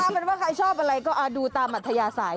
เป็นว่าใครชอบอะไรก็ดูตามอัธยาศัย